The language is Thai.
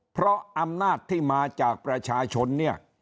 เพราะอำนาจที่มาจากประชาชนเนี่ย